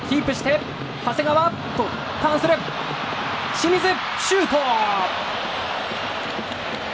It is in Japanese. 清水、シュート！